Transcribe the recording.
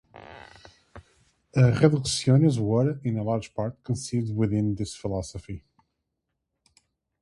Reducciones were, in large part, conceived within this philosophy.